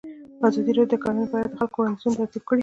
ازادي راډیو د کرهنه په اړه د خلکو وړاندیزونه ترتیب کړي.